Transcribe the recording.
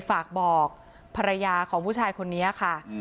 ฝากบอกภรรยาของผู้ชายคนนี้ค่ะ